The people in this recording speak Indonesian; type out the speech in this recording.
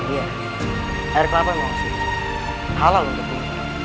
iya air kelapa memang suci halal untuk berhudu